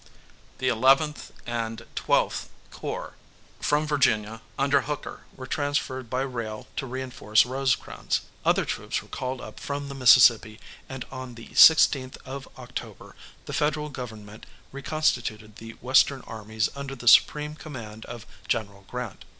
The XI. and XII. corps from Virginia under Hooker were transferred by rail to reinforce Rosecrans; other troops were called up from the Mississippi, and on the 16th of October the Federal government reconstituted the western armies under the supreme command of General Grant.